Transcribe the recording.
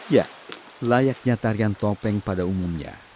ya layaknya tarian topeng pada umumnya